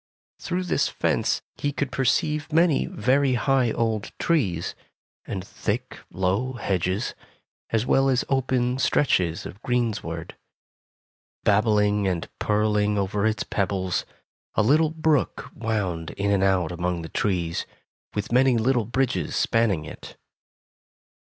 Through this fence he could perceive many very high old trees and thick, low hedges, as well as open stretches of greensward. Babbling and purling over its pebbles, a little brook wound in and out among the trees, with many little bridges spanning it.